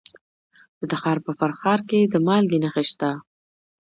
د تخار په فرخار کې د مالګې نښې شته.